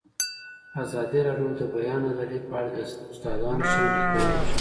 ازادي راډیو د د بیان آزادي په اړه د استادانو شننې خپرې کړي.